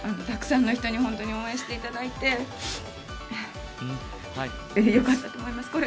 たくさんの人に本当に応援していただいて、よかったと思います。